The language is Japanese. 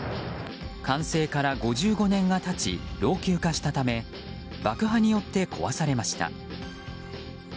完成から５５年が経ち老朽化したため爆破によって壊されました。